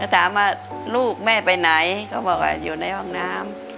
ถามว่าลูกแม่ไปไหนเขาบอกว่าอยู่ในห้องน้ำ